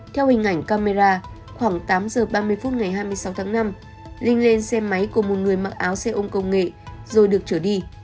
theo hình ảnh camera khoảng tám giờ ba mươi phút ngày hai mươi sáu tháng năm linh lên xe máy của một người mặc áo xe ôm công nghệ rồi được trở đi